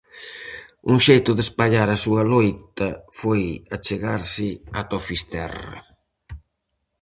Un xeito de espallar a súa loita foi achegarse ata o Fisterra.